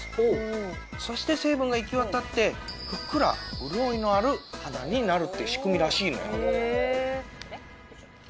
そして成分が行き渡ってふっくら潤いのある肌になるっていう仕組みらしいのよ。